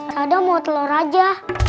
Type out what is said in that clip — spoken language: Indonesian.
saya mau telur aja